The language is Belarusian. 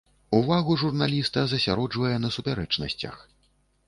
Увагу журналіста засяроджвае на супярэчнасцях.